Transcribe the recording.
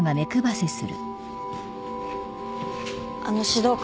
あの指導官。